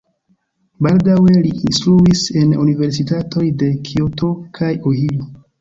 Baldaŭe li instruis en universitatoj de Kioto kaj Ohio.